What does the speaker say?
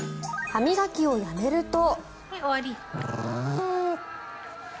歯磨きをやめると。